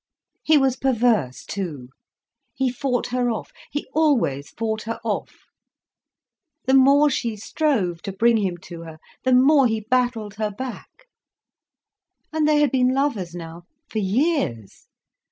He was perverse too. He fought her off, he always fought her off. The more she strove to bring him to her, the more he battled her back. And they had been lovers now, for years.